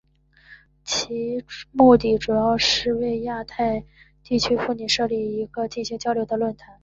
其目的主要是为亚太地区妇女设立一个进行交流的论坛。